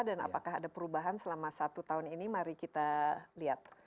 dan apakah ada perubahan selama satu tahun ini mari kita lihat